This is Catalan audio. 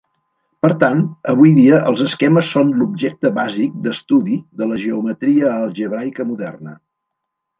Per tant, avui dia els esquemes són l'objecte bàsic d'estudi de la geometria algebraica moderna.